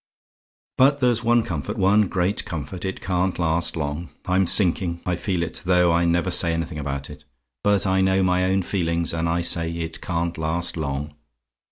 "But there's one comfort one great comfort; it can't last long: I'm sinking I feel it, though I never say anything about it but I know my own feelings, and I say it can't last long.